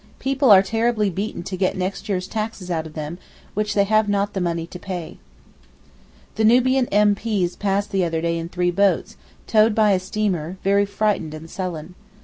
People are terribly beaten to get next year's taxes out of them, which they have not the money to pay. The Nubian M.P.'s passed the other day in three boats, towed by a steamer, very frightened and sullen.